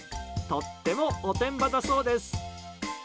とってもおてんばだそうです。